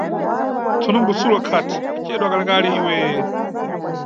Tsonombo Sulo akhati: wacedwa kale-kale iwe.